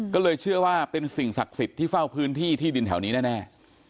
ก็เลยเชื่อว่าเป็นสิ่งศักดิ์สิทธิ์ที่เฝ้าพื้นที่ที่ดินแถวนี้แน่